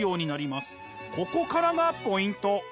ここからがポイント。